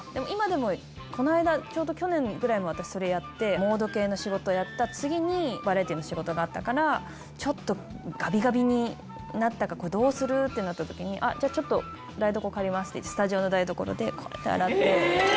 今でも、この間、ちょうど去年ぐらいも、私、それやって、モード系の仕事やった次に、バラエティーの仕事があったから、ちょっとがびがびになったから、これ、どうするってなったときに、あっ、じゃあ、ちょっと、台所借りますって、スタジオの台所でこうやって洗って。